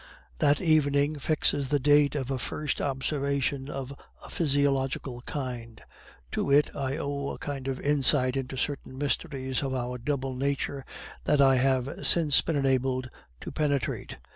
"That evening fixes the date of a first observation of a physiological kind; to it I owe a kind of insight into certain mysteries of our double nature that I have since been enabled to penetrate.